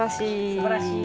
すばらしい。